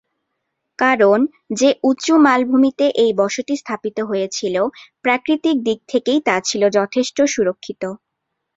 কারণ, যে উঁচু মালভূমিতে এই বসতি স্থাপিত হয়েছিল, প্রাকৃতিক দিক থেকেই তা ছিল যথেষ্ট সুরক্ষিত।